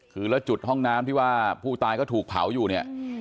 คือแล้วจุดห้องน้ำที่ว่าผู้ตายก็ถูกเผาอยู่เนี่ย